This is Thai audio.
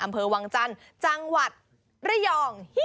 อำเภอวังจันทร์จังหวัดระยอง